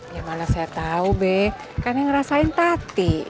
ya mana saya tahu be kan yang ngerasain tati